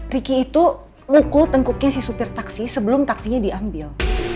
ricky itu mukul tengkuknya si supir taksi sebelum taksinya diambil